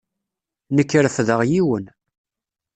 Nekk refdeɣ yiwen.